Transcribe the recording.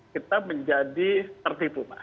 kita menjadi tertipu pak